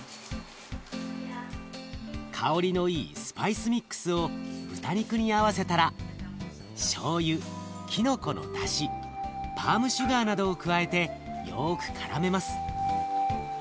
香りのいいスパイスミックスを豚肉に合わせたらしょうゆきのこのだしパームシュガーなどを加えてよく絡めます。